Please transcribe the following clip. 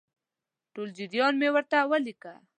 ټول جریان مې ورته ولیکه.